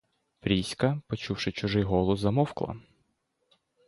Пріська, почувши чужий голос, замовкла.